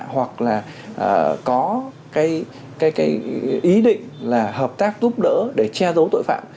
hoặc là có cái ý định là hợp tác giúp đỡ để che giấu tội phạm